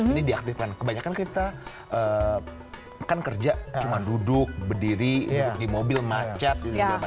ini diaktifkan kebanyakan kita kan kerja cuma duduk berdiri duduk di mobil macet